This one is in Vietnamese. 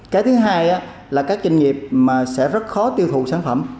cái thứ hai là các doanh nghiệp sẽ rất khó tiêu thụ sản phẩm